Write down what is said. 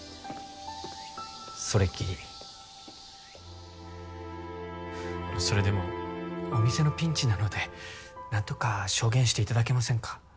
それっきりそれでもお店のピンチなので何とか証言していただけませんか？